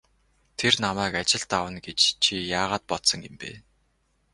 Тэр намайг ажилд авна гэж чи яагаад бодсон юм бэ?